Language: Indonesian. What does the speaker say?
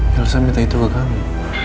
ya alasan minta itu ke kamu